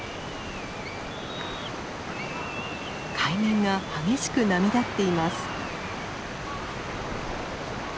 海面が激しく波立っています。